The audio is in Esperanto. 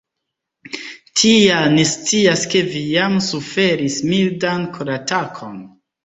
Tial ni scias ke vi jam suferis mildan koratakon.